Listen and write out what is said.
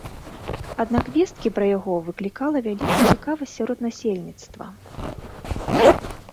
Аднак весткі пра яго выклікала вялікую цікавасць сярод насельніцтва.